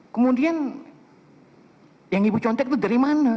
kemudian yang ibu contek itu dari mana